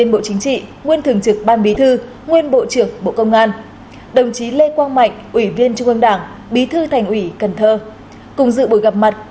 bộ trưởng bộ công an chủ trì buổi gặp mặt